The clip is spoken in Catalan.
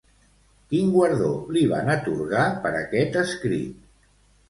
Quin guardó li van atorgar per aquest escrit?